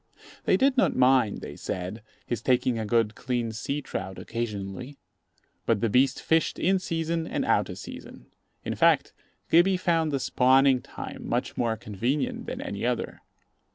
They did not mind, they said, his taking a good clean sea trout occasionally; but the beast fished in season and out of season. In fact, Gibbey found the spawning time much more convenient than any other.